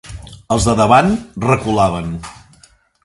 Els de davant, reculaven